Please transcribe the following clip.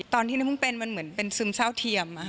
ตอนที่น้ำพุ่งเป็นมันเหมือนเป็นซึมเศร้าเทียม